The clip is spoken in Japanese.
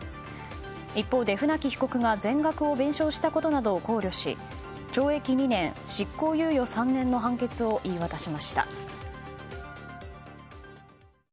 一方で、船木被告が全額を弁償したことなどを考慮し懲役２年、執行猶予３年の判決を言い渡しました。